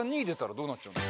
どうなっちゃうの？